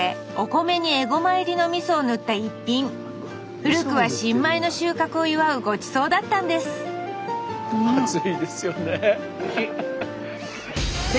古くは新米の収穫を祝うごちそうだったんです熱いですよね。